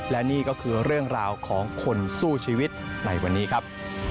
และนี่ก็คือเรื่องราวของคนสู้ชีวิตในวันนี้ครับ